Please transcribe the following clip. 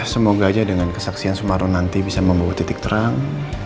semoga aja dengan kesaksian sumarno nanti bisa membawa titik terang